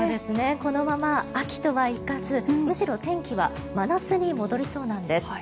このまま秋とはいかずむしろ天気は真夏に戻りそうなんです。